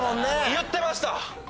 言ってました！